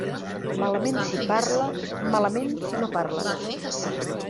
Malament si parles, malament si no parles.